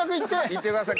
行ってください。